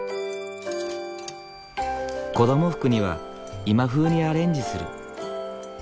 子ども服には今風にアレンジする。